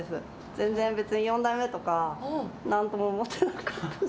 全然、別に４代目とか、なんとも思ってなかった。